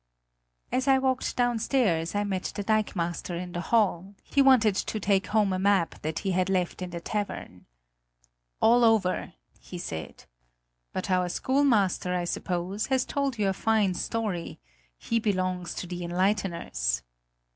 As I walked downstairs, I met the dikemaster in the hall; he wanted to take home a map that he had left in the tavern. "All over!" he said. "But our schoolmaster, I suppose, has told you a fine story he belongs to the enlighteners!"